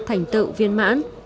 thành tựu viên mãn